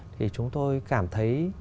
thì chúng tôi cảm thấy